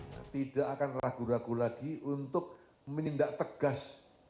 nah tidak akan ragu ragu lagi untuk menindak tegas